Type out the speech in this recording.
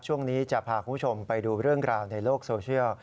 ช่วงนี้จะพาคุณผู้ชมไปดูเรื่องราวในโลกโซเชียล